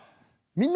「みんな！